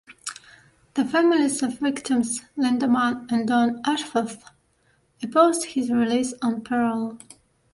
The families of victims Lynda Mann and Dawn Ashworth opposed his release on parole.